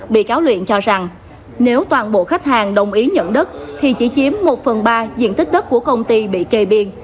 bị cáo luyện cho rằng nếu toàn bộ khách hàng đồng ý nhận đất thì chỉ chiếm một phần ba diện tích đất của công ty bị kê biên